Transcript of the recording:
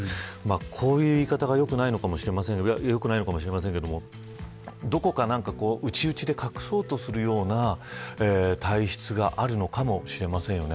こういう言い方が良くないのかもしれませんがどこか内々で隠そうとするような体質があるのかもしれませんよね。